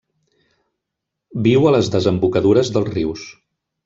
Viu a les desembocadures dels rius.